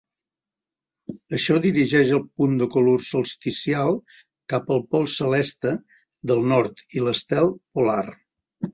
Això dirigeix el punt de colur solsticial cap al pol celeste del nord i l'estel polar.